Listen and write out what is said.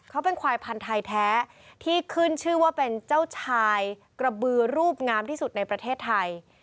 เขาเป็นควายพันธุ์ไทยแท้ที่ขึ้นชื่อว่าเป็นเจ้าชายกระบือรูปงามที่สุดในประเทศไทย